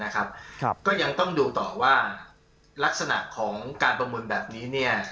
ก็ยังต้องดูต่อว่าลักษณะของการประเมินแบบนี้